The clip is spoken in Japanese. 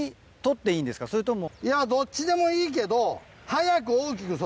どっちでもいいけど。